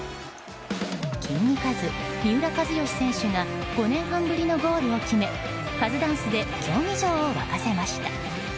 キングカズ、三浦知良選手が５年半ぶりのゴールを決めカズダンスで競技場を沸かせました。